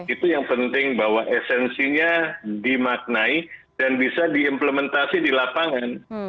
itu yang penting bahwa esensinya dimaknai dan bisa diimplementasi di lapangan